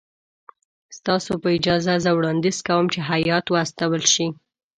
ستاسو په اجازه زه وړاندیز کوم چې هیات واستول شي.